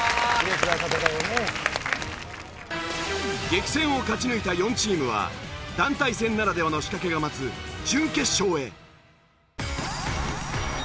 激戦を勝ち抜いた４チームは団体戦ならではの仕掛けが待つ準決勝へ。